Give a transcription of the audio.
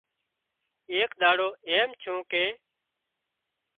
ايڪ ۮاڙو ايم ڇُون ڪي